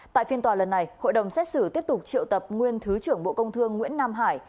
tại phiên tòa lần này hội đồng xét xử tiếp tục triệu tập nguyên thứ trưởng bộ công thương nguyễn nam hải